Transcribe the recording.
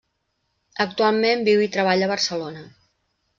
Actualment viu i treballa a Barcelona.